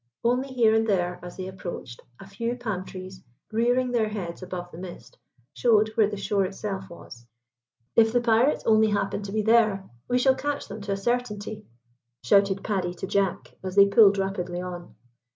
Only here and there, as they approached, a few palm trees, rearing their heads above the mist, showed where the shore itself was. "If the pirates only happen to be there, we shall catch them to a certainty," shouted Paddy to Jack, as they pulled rapidly on.